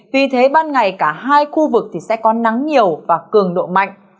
vì thế ban ngày cả hai khu vực sẽ có nắng nhiều và cường độ mạnh